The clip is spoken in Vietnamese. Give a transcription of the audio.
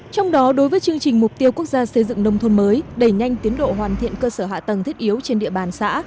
trong đó đối với chương trình mục tiêu quốc gia xây dựng nông thôn mới đẩy nhanh tiến độ hoàn thiện cơ sở hạ tầng thiết yếu trên địa bàn xã